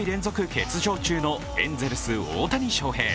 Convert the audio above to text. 欠場中のエンゼルス・大谷翔平。